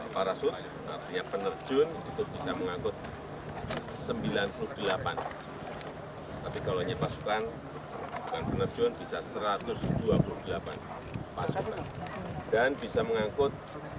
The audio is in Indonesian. pasukan yang pakai head up display dengan parasut artinya penerjun itu bisa mengangkut sembilan puluh delapan